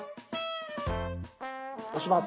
押します。